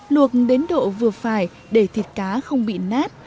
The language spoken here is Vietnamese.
luộc đến độ vừa phải để thịt cá không bị nát